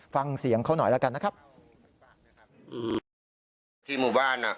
ฟังเสียงเขาหน่อยละกันนะครับ